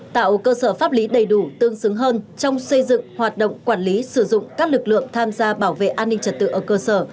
tạo cơ sở pháp lý đầy đủ tương xứng hơn trong xây dựng hoạt động quản lý sử dụng các lực lượng tham gia bảo vệ an ninh trật tự ở cơ sở